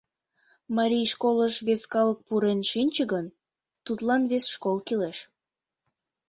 Марий школыш вес калык пурен шинче гын, тудлан вес школ кӱлеш.